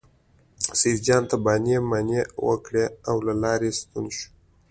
سیدجان څه بانې مانې وکړې او له لارې ستون شو.